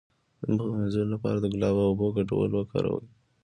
د مخ د مینځلو لپاره د ګلاب او اوبو ګډول وکاروئ